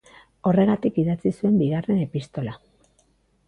Horregatik idatzi zuen bigarren epistola.